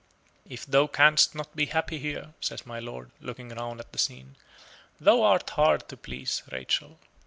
"If thou canst not be happy here," says my lord, looking round at the scene, "thou art hard to please, Rachel."